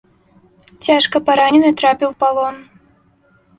Цяжка паранены, трапіў у палон.